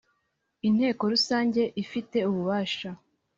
inteko rusange ifite ububasha